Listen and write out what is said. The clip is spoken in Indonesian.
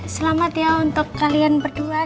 selamat ya untuk kalian berdua